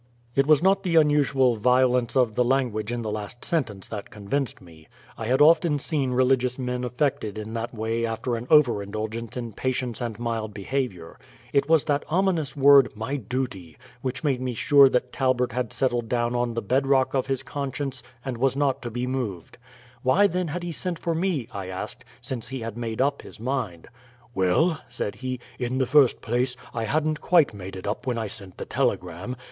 It was not the unusual violence of the language in the last sentence that convinced me. I had often seen religious men affected in that way after an over indulgence in patience and mild behavior. It was that ominous word, "my duty," which made me sure that Talbert had settled down on the bed rock of his conscience and was not to be moved. Why, then, had he sent for me, I asked, since he had made up his mind? "Well," said he, "in the first place, I hadn't quite made it up when I sent the telegram.